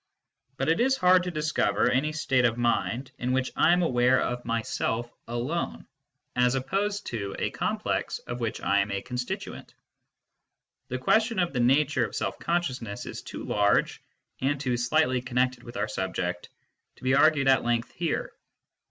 /But it is hard to discover any state of mind in which I am aware of myself alone, as opposed to a complex of which I am a constituent./ Thp question oi the nature L of self conscinnsnessjs too large, and too slightly connected with our subject, to be argued at length here.